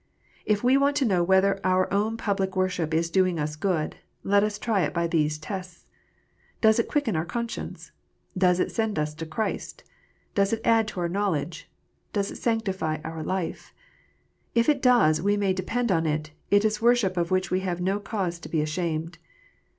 If we want to know whether our own public worship is doing us good, let us try it by these tests. Does it quicken our conscience ? Does it send us to Christ ? Does it add to our knowledge 1 Does it sanctify our life 1 If it does, we may depend 011 it, it is worship of which we have no cause to be ashamed.